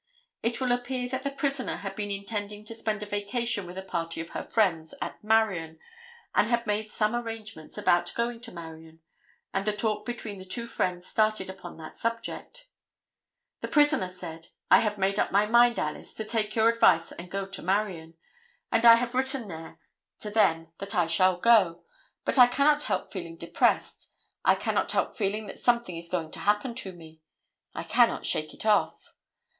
It will appear that the prisoner had been intending to spend a vacation with a party of her friends at Marion, and had made some arrangements about going to Marion, and the talk between the two friends started upon that topic. The prisoner said: "I have made up my mind, Alice, to take your advice and go to Marion, and I have written there to them that I shall go, but I cannot help feeling depressed; I cannot help feeling that something is going to happen to me; I cannot shake it off.